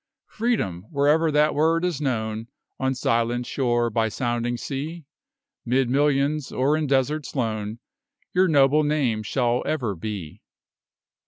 Freedom! where'er that word is known On silent shore, by sounding sea, 'Mid millions, or in deserts lone Your noble name shall ever be.